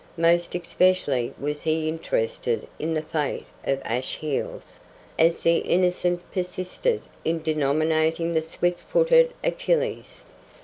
Most especially was he interested in the fate of "Ash heels," as the Innocent persisted in denominating the "swift footed Achilles."